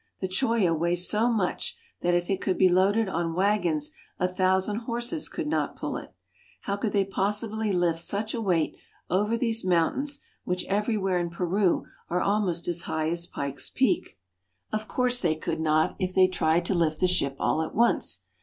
The Choya weighs so much that if it could be loaded on wagons a thousand horses could not pull it. How could they possibly lift such a weight over these mountains, which everywhere in Peru are almost as high as Pikes Peak? 84 PERU. Of course they could not if they tried to lift the ship all at once.